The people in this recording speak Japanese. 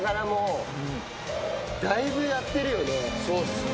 そうっすね。